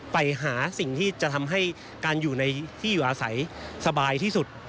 ไปหาสิ่งที่จะทำให้การอยู่ในที่อยู่อาศัยสบายที่สุด